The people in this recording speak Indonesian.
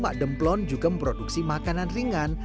mademplon juga memproduksi makanan ringan